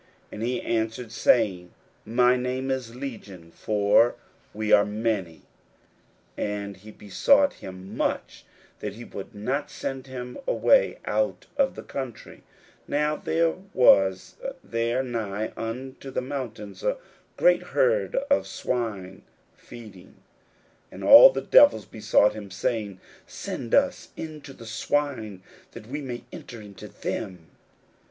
And he answered, saying, My name is Legion: for we are many. 41:005:010 And he besought him much that he would not send them away out of the country. 41:005:011 Now there was there nigh unto the mountains a great herd of swine feeding. 41:005:012 And all the devils besought him, saying, Send us into the swine, that we may enter into them.